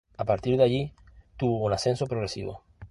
A partir de allí, tuvo un ascenso progresivo.